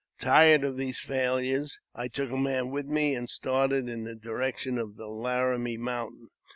Tired of these failures, I took a man with me, and started in the direc tion of the Laramie mountain.